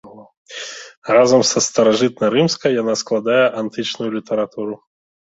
Разам са старажытнарымскай яна складае антычную літаратуру.